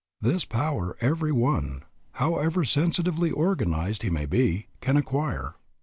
This power every one, however sensitively organized he may be, can acquire.